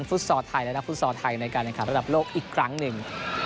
ฟอร์ไทยและนักฟุตซอลไทยในการแข่งขันระดับโลกอีกครั้งหนึ่ง